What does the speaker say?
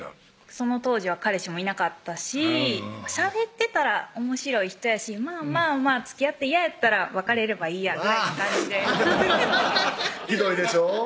その当時は彼氏もいなかったししゃべってたらおもしろい人やしまぁまぁつきあって嫌やったら別れればいいやぐらいの感じでひどいでしょ？